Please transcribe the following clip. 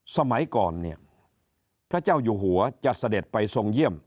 สมัยก่อนเนี่ยพระเจ้าอยู่หัวจะเสด็จไปทรงเยี่ยม